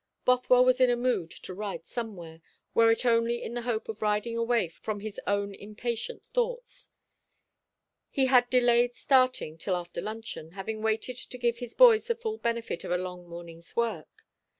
Bothwell was in a mood to ride somewhere, were it only in the hope of riding away from his own impatient thoughts. He had delayed starting till after luncheon, having waited to give his boys the full benefit of a long morning's work.